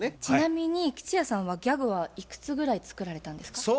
ちなみに吉弥さんはギャグはいくつぐらい作られたんですか？